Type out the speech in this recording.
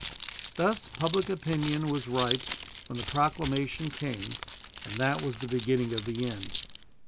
Thus public opinion was ripe when the proclamation came, and that was the beginning of the end.